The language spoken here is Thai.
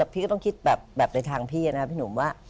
พี่ก็ต้องคิดแบบในทางพี่นะพี่หนุ่มว่า